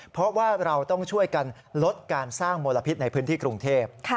เพราะว่าเราต้องช่วยกันลดการสร้างมลพิษในพื้นที่กรุงเทพ